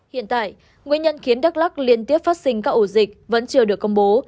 hiện tại nguyên nhân khiến đắk lắc liên tiếp phát sinh các ổ dịch vẫn chưa được công bố